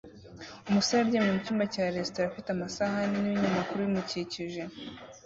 umusore uryamye mu cyumba cya resitora afite amasahani n'ibinyamakuru bimukikije